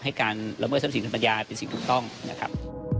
การละเมิดทรัพย์สินทางปัญญาเป็นสิ่งถูกต้องนะครับ